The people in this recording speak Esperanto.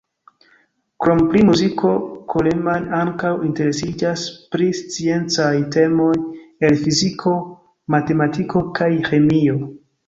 Krom pri muziko Coleman ankaŭ interesiĝas pri sciencaj temoj el fiziko, matematiko kaj ĥemio.